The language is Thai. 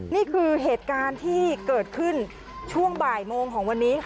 นี่คือเหตุการณ์ที่เกิดขึ้นช่วงบ่ายโมงของวันนี้ค่ะ